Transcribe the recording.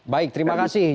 baik terima kasih